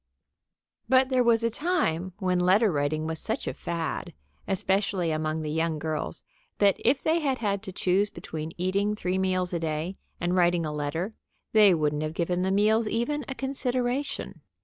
But there was a time when letter writing was such a fad, especially among the young girls, that if they had had to choose between eating three meals a day and writing a letter they wouldn't have given the meals even a consideration.